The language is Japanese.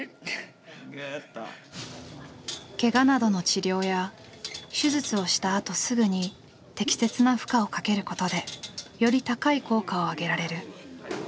けがなどの治療や手術をしたあとすぐに適切な負荷をかけることでより高い効果を上げられる。